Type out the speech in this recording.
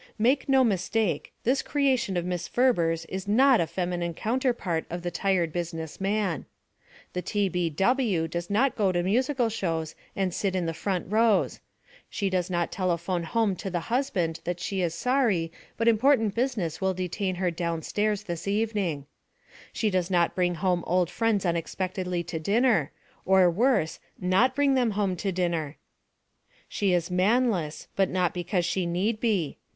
Make no mistake; this creation of Miss Ferber's is not a feminine counterpart of the Tired Business Man. The T. B. W. does not go to musical shows and sit in the front rows. She does not telephone home to the husband that she is sorry but important business will detain her downtown this evening. She does not bring home old friends unex pectedly to dinner, or worse, not bring them home to dinner. She is man less but not because she need be.